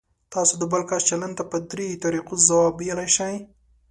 تاسو د بل کس چلند ته په درې طریقو ځواب ویلی شئ.